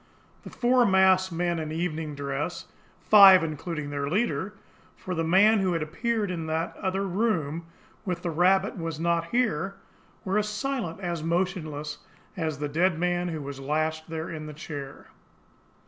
The four masked men in evening dress, five including their leader, for the man who had appeared in that other room with the rabbit was not here, were as silent, as motionless, as the dead man who was lashed there in the chair.